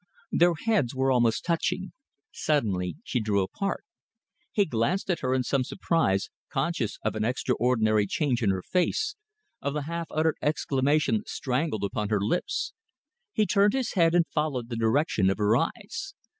Their heads were almost touching. Suddenly she drew apart. He glanced at her in some surprise, conscious of an extraordinary change in her face, of the half uttered exclamation strangled upon her lips. He turned his head and followed the direction of her eyes.